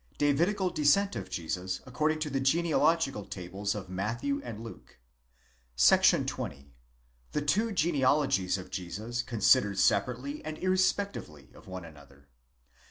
DMAVIDICAL DESCENT OF JESUS, ACCORDING TO THE GENEALOGICAL TABLES OF MATTHEW AND LUKE. § 20. THE TWO GENEALOGIES OF JESUS CONSIDERED SEPARATELY AND IRRESPECTIVELY OF ONE ANOTHER.